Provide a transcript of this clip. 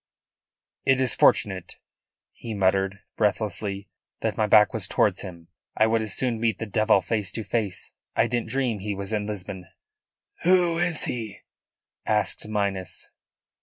"It is fortunate," he muttered breathlessly, "that my back was towards him. I would as soon meet the devil face to face. I didn't dream he was in Lisbon." "Who is he?" asked Minas.